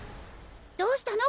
どうしたの？